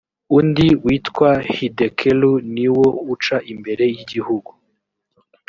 undi witwa hidekelu ni wo uca imbere y igihugu